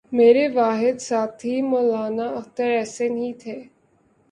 میرے واحد ساتھی مولانا اختر احسن ہی تھے